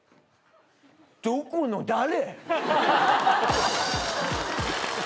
どこの誰？